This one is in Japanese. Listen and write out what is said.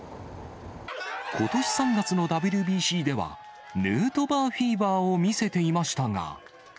ことし３月のＷＢＣでは、ヌートバーフィーバーを見せていましたが。